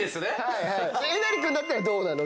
えなり君だったらどうなの？